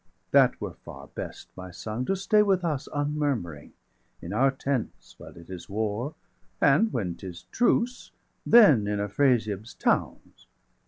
°70 That were far best, my son, to stay with us Unmurmuring; in our tents, while it is war, And when 'tis truce, then in Afrasiab's towns.